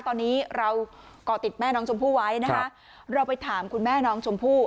ตอนนี้เราก่อติดแม่น้องชมพู่ไว้นะคะเราไปถามคุณแม่น้องชมพู่